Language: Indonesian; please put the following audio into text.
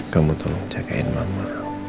kamu tolong jagain mama